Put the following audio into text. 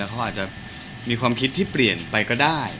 เขาอาจจะมีความคิดที่เปลี่ยนไปก็ได้